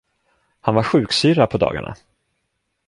Han var sjuksyrra på dagarna.